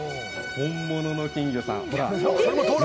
本物の金魚さん